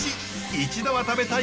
一度は食べたい！